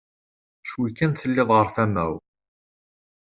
Cwi kan telliḍ ɣer tama-w.